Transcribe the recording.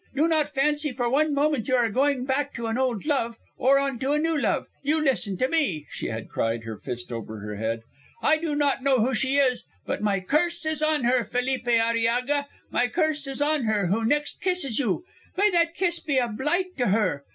Do not fancy for one moment you are going back to an old love, or on to a new one. You listen to me," she had cried, her fist over her head. "I do not know who she is, but my curse is on her, Felipe Arillaga. My curse is on her who next kisses you. May that kiss be a blight to her.